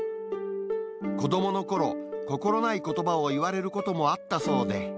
子どものころ、心ないことばを言われることもあったそうで。